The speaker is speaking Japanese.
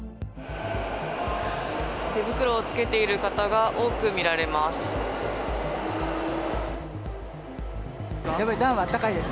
手袋をつけている方が多く見られます。